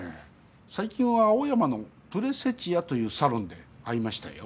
最近は青山のプレセチアというサロンで会いましたよ。